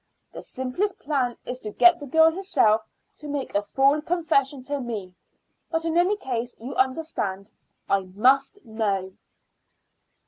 The simplest plan is to get the girl herself to make a full confession to me; but in any case, you understand, I must know."